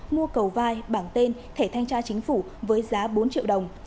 mua cầu vai bảng tên thẻ thanh tra chính phủ với giá bốn triệu đồng